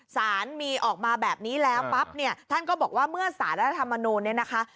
สารมีออกมาแบบนี้แล้วปั๊บเนี่ยท่านก็บอกว่าเมื่อสารรัฐธรรมนูลเนี่ยนะคะ